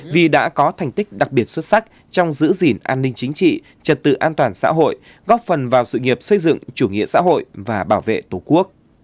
vì đã có thành tích đặc biệt xuất sắc trong giữ gìn an ninh chính trị trật tự an toàn xã hội góp phần vào sự nghiệp xây dựng chủ nghĩa xã hội và bảo vệ tổ quốc